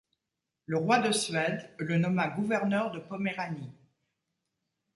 Le roi de Suède le nomma gouverneur de Poméranie.